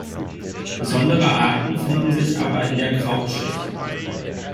Besondere Arten finden sich aber in der Krautschicht.